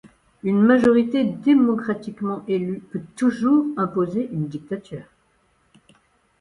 Une majorité, démocratiquement élue, peut toujours imposer une dictature.